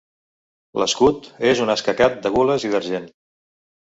L'escut és un escacat de gules i d'argent.